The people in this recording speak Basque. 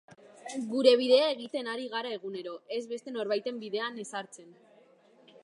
Gure bidea egiten ari gara egunero, ez beste norbaiten bidean ezartzen.